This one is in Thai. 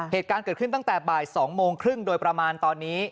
เหตุการณ์เกิดขึ้นตั้งแต่บ่าย๒โมงครึ่งโดยประมาณตอนนี้